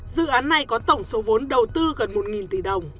dự án này có tổng số vốn đầu tư gần một tỷ đồng